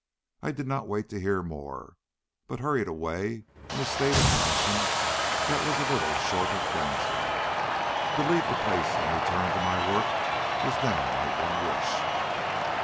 I did not wait to hear more, but hurried away in a state of passion that was little short of frenzy. To leave the place and return to my work was now my one wish.